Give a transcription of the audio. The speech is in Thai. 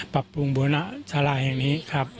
ปรับปรุงบูรณสาระแห่งนี้ครับ